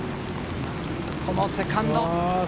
このセカンド。